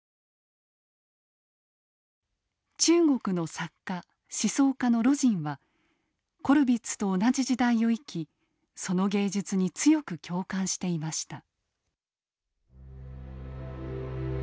中国の作家思想家の魯迅はコルヴィッツと同じ時代を生きその芸術に強く共感していました。